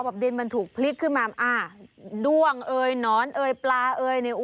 ดินมันถูกพลิกขึ้นมาอ่าด้วงเอ่ยหนอนเอยปลาเอ่ยเนี่ย